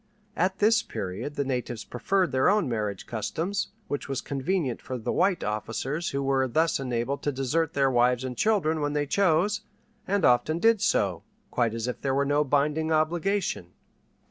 At this period the natives preferred their own marriage customs, which was convenient for the white officers who were thus enabled to desert their wives and children when they chose, and often did so, quite as if there were no binding obligation.